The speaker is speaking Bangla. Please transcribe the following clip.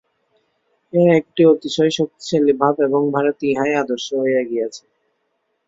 ইহা একটি অতিশয় শক্তিশালী ভাব, এবং ভারতে ইহাই আদর্শ হইয়া গিয়াছে।